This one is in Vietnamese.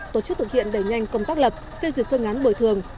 tổ chức thực hiện đẩy nhanh công tác lập phê duyệt phương án bồi thường